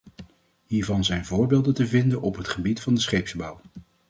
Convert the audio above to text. Hiervan zijn voorbeelden te vinden op het gebied van de scheepsbouw.